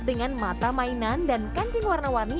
terima kasih menonton